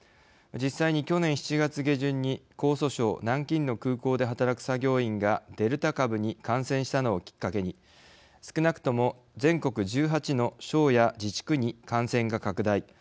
実際に、去年７月下旬に江蘇省南京の空港で働く作業員がデルタ株に感染したのをきっかけに、少なくとも全国１８の省や自治区に感染が拡大。